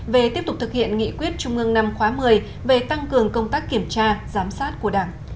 về tiếp tục thực hiện nghị quyết trung ương năm khóa một mươi về tăng cường công tác kiểm tra giám sát của đảng